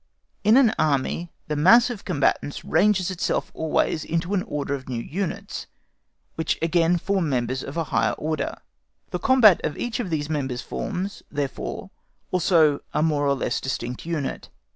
In an Army the mass of combatants ranges itself always into an order of new units, which again form members of a higher order. The combat of each of these members forms, therefore, also a more or less distinct unit.